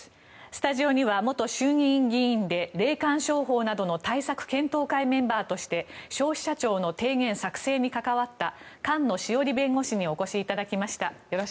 スタジオには元衆議院議員で霊感商法などの対策検討会メンバーとして消費者庁の提言作成に関わった菅野志桜里弁護士にお越しいただきました。